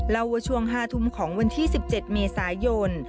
เล่าว่าช่วง๕ทุ่มของวันที่๑๗เมษายน